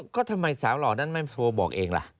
ก็ทำไมสาวหล่อนั้นไม่โทรบอกเองล่ะ